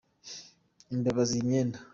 Imbeba zirya imyenda.